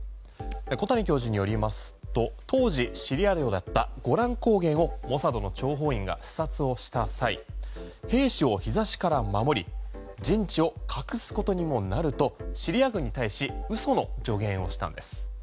小谷教授によりますと当時シリア領だったゴラン高原をモサドの諜報員が視察をした際兵士を日差しから守り陣地を隠すことにもなるとシリア軍に対し嘘の助言をしたんです。